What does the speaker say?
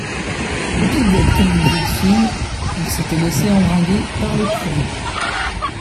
Bigote comme une vieille fille, elle s’était laissé embringuer par le curé